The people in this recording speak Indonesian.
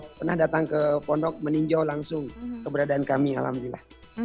saya pernah datang ke pondok meninjau langsung keberadaan kami alhamdulillah